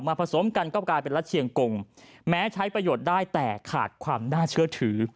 ผสมกันก็กลายเป็นรัฐเชียงกงแม้ใช้ประโยชน์ได้แต่ขาดความน่าเชื่อถือ